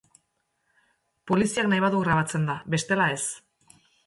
Poliziak nahi badu grabatzen da, bestela ez.